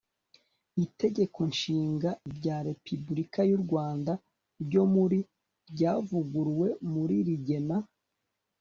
Itegeko Nshinga rya Repubulika y u Rwanda ryo muri ryavuguruwe muri rigena